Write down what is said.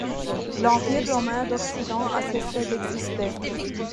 L'Empire romain d'Occident a cessé d'exister.